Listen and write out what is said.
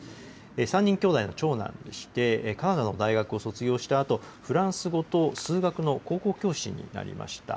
３人兄弟の長男でして、カナダの大学を卒業したあと、フランス語と数学の高校教師になりました。